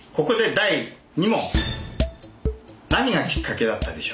何がきっかけだったでしょうか？